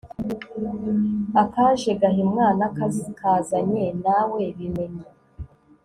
akaje gahimwa n'akakazanye nawe bimenye